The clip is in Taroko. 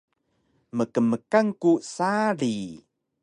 Mkmkan ku sari